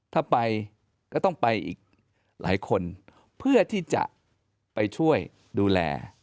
ถ้าไปก็ต้องไปอีกหลายคนเพื่อที่จะไปช่วยดูแล